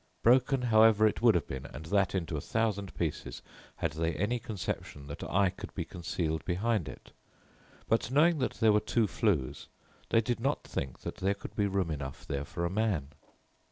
Broken, however, it would have been, and that into a thousand pieces, had they any conception that I could be concealed behind it. But knowing that there were two flues, they did not think that there could be room enough there for a man.